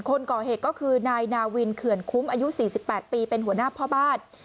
คนก่อเหตุก็คือนายนาวินเขื่อนคุ้มอายุ๔๘ปีเป็นหัวหน้าพ่อบ้าน